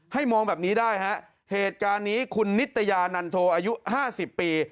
มองแบบนี้ได้ฮะเหตุการณ์นี้คุณนิตยานันโทอายุห้าสิบปี